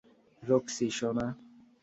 Roxie, সোনা।